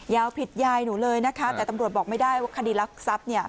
ยาวผิดยายหนูเลยนะคะแต่ตำรวจบอกไม่ได้ว่าคดีรักทรัพย์เนี่ย